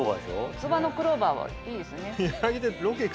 四つ葉のクローバーはいいですね。